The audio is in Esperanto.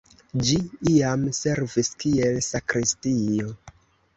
Ĝi iam servis kiel sakristio.